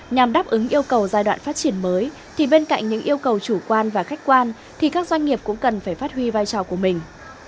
nhằm đáp ứng yêu cầu giai đoạn phát triển mới thì bên cạnh những yêu cầu chủ quan và khách quan thì các doanh nghiệp cũng cần phải phát huy vai trò của mình